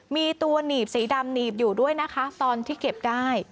มีตัวหนีบสีดำหนีบอยู่ด้วยนะคะตอนที่เก็บได้